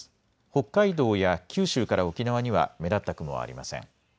北海道や九州から沖縄には目立った雲はありません。